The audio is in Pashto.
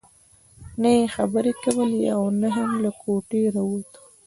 نه يې خبرې کولې او نه هم له کوټې راوته.